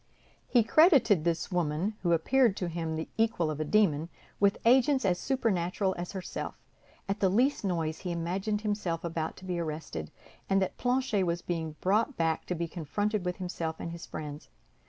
He credited this woman, who appeared to him the equal of a demon, with agents as supernatural as herself; at the least noise, he imagined himself about to be arrested, and that Planchet was being brought back to be confronted with himself and his friends.